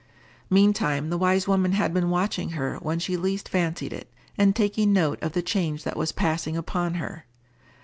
Meantime the wise woman had been watching her when she least fancied it, and taking note of the change that was passing upon her.